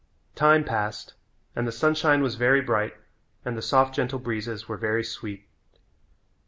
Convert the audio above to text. Time passed and the sunshine was very bright and the soft, gentle breezes were very sweet.